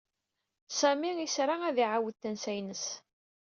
Sami isra ad iɛawed tansa-ines.